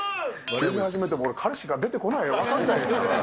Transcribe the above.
急に始めても歌詞が出てこないよ、分かんないから。